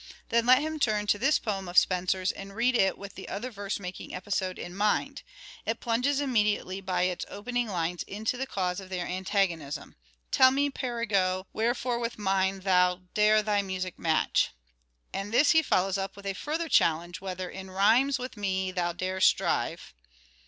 Then let him turn to this poem of Spenser's and read it with the other verse making episode in mind. It plunges immediately by its opening lines into the cause of their antagonism. " Tell me, Perigot ... wherefore with mine thou dare thy music match ?" And this he follows up with a further challenge whether " in rhymes with me thou dare strive."